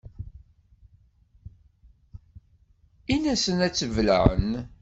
In-asen ad tt-bellɛen.